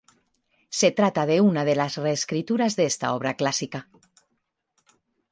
Se trata de una de las reescrituras de esta obra clásica.